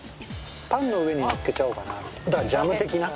パンの上にのっけちゃおうかなと。